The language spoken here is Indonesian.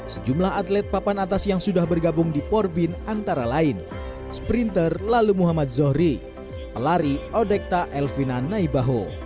sejumlah atlet papan atas yang sudah bergabung di porbin antara lain sprinter lalu muhammad zohri pelari odekta elvina naibaho